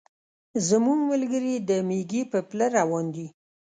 زموږ ملګري د مېږي په پله روان دي.